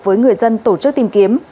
với người dân tổ chức tìm kiếm